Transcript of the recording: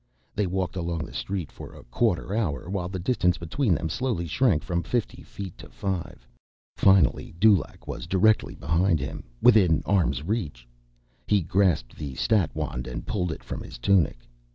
They walked along the street for a quarter hour while the distance between them slowly shrank from fifty feet to five. Finally Dulaq was directly behind him, within arm's reach. He grasped the stat wand and pulled it from his tunic.